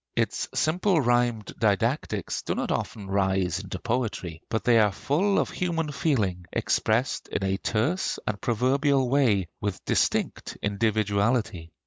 Its simple rhymed didactics do not often rise into poetry; but they are full of human feeling, expressed in a terse and proverbial way, with distinct individuality.